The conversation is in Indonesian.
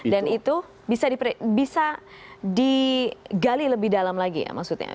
dan itu bisa digali lebih dalam lagi ya maksudnya